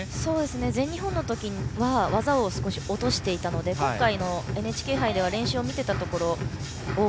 全日本の時は技を少し落としていたので今回のＮＨＫ杯では練習を見ていたところ